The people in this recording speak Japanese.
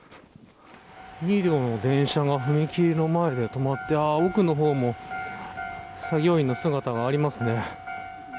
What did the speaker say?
２両の電車が踏切の前で止まって奥の方も作業員の姿がありますね。